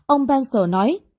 ông pencil nói